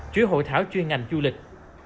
chuyên hội thảo chuyên ngành du lịch